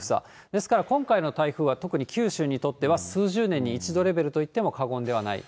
ですから、今回の台風は、特に九州にとっては、数十年に一度レベルといっても過言ではない。